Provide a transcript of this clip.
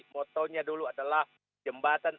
motonya dulu adalah jembatan